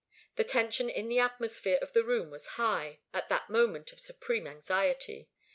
The tension in the atmosphere of the room was high, at that moment of supreme anxiety.